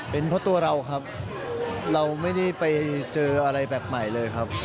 เป็นเพราะตัวเราครับเราไม่ได้ไปเจออะไรแบบใหม่เลยครับ